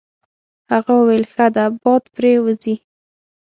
هغه وویل: ښه ده باد پرې وځي.